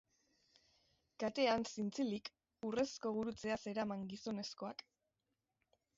Katean zintzilik, urrezko gurutzea zeraman gizonezkoak.